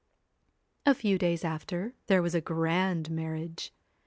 A few days after, there was a grand marriage.